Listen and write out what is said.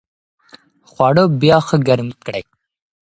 خواړه بیا ښه ګرم کړئ.